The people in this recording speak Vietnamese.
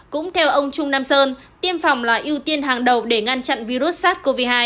cũng theo ông trung nam sơn tiêm phòng là ưu tiên hàng đầu để ngăn chặn virus sars cov hai